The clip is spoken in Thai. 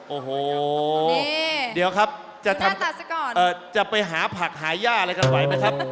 โอ้โหเดี๋ยวครับจะทำจะไปหาผักหาย่าอะไรกันไหวไหมครับ